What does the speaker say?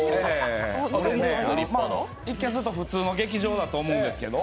一見すると普通の劇場だと思うんですけど、